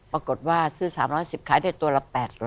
ปรากฏว่าซื้อ๓๑๐ขายได้ตัวละ๘๐๐